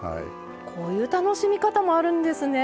こういう楽しみ方もあるんですね。